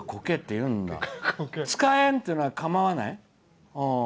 「つかえん」っていうのはかまわない？」。